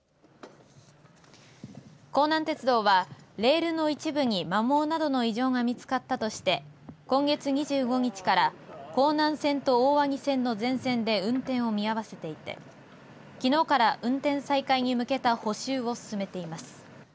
弘南鉄道はレールの一部に摩耗などの異常が見つかったとして今月２５日から弘南線と大鰐線の全線で運転を見合わせていてきのうから運転再開に向けた補修を進めています。